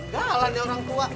jalan ya orang tua